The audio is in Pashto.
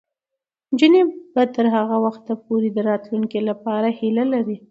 نجونې به تر هغه وخته پورې د راتلونکي لپاره هیله لري.